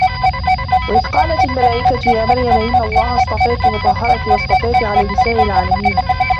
وإذ قالت الملائكة يا مريم إن الله اصطفاك وطهرك واصطفاك على نساء العالمين